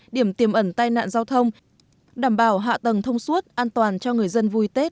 điểm tiềm ẩn tai nạn giao thông đảm bảo hạ tầng thông suốt an toàn cho người dân vui tết